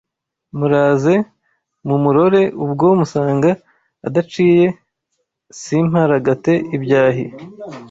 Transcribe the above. Muraze mumurore ubwo musanga adaciye simparagate ibyahi